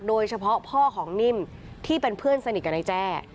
โดยเฉพาะพ่อของนิ่มที่เป็นเพื่อนสนิทกับนายแจ้